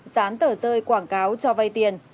sán tờ rơi quảng cáo cho vay tiền